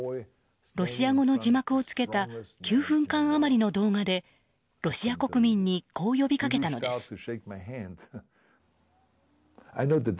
ロシア語の字幕を付けた９分間余りの動画でロシア国民にこう呼びかけたのです。